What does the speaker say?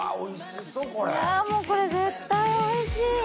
いやもうこれ絶対おいしい！